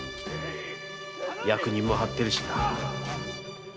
役人も張ってるしな。